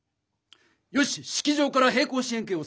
よし式場から平行四辺形を探そう！